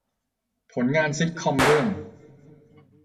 ผลงานซิตคอมเรื่อง